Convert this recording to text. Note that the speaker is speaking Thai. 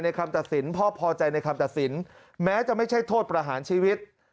คำตัดสินพ่อพอใจในคำตัดสินแม้จะไม่ใช่โทษประหารชีวิต